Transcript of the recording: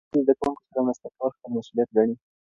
ښوونکي د زده کوونکو سره مرسته کول خپل مسؤلیت ګڼي.